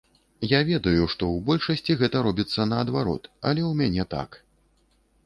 Я ведаю, што ў большасці гэта робіцца наадварот, але ў мяне так.